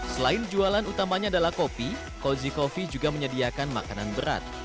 selain jualan utamanya adalah kopi cozy coffee juga menyediakan makanan berat